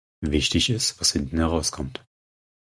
Wichtig ist, was hinten heraus kommt.